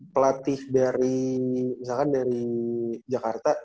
pelatih dari misalkan dari jakarta